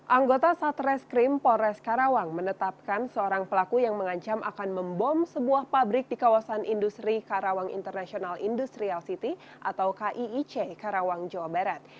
anggota satreskrim polres karawang menetapkan seorang pelaku yang mengancam akan membom sebuah pabrik di kawasan industri karawang international industrial city atau kiic karawang jawa barat